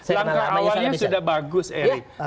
langkah awalnya sudah bagus erick